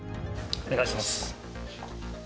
お願いします。